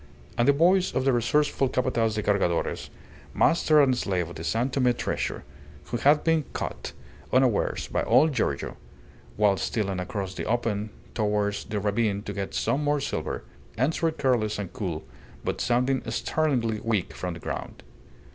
And the voice of the resourceful Capataz de Cargadores, master and slave of the San Tome treasure, who had been caught unawares by old Giorgio while stealing across the open towards the ravine to get some more silver, answered careless and cool, but sounding startlingly weak from the ground.